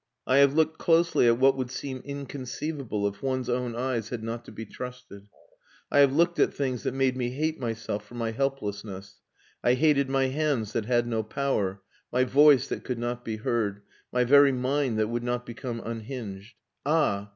I have looked closely at what would seem inconceivable if one's own eyes had not to be trusted. I have looked at things that made me hate myself for my helplessness. I hated my hands that had no power, my voice that could not be heard, my very mind that would not become unhinged. Ah!